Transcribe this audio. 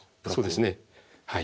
そうですねはい。